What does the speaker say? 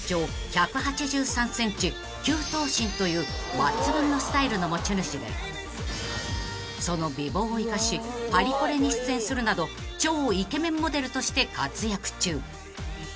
［抜群のスタイルの持ち主でその美貌を生かしパリコレに出演するなど超イケメンモデルとして活躍中］